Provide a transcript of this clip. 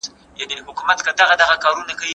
توازن د عرضې او تقاضا ترمنځ موازنه ده.